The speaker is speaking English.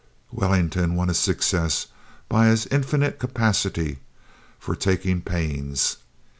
Wellington won his success by his infinite capacity for taking pains.